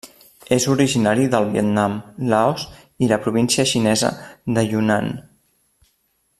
És originari del Vietnam, Laos i la província xinesa de Yunnan.